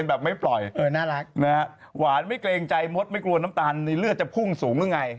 นะฮะหวานไม่เกรงใจมดไม่กลัวน้ำตาลในเลือดจะพุ่งสูงหรือไง